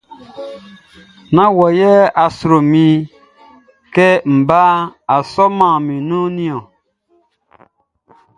Nán wɔ yɛ a sro mi kɛ bʼa sɔman mi nunʼn niɔn.